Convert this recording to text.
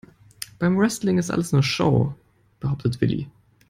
Beim Wrestling ist alles nur Show, behauptet Willi.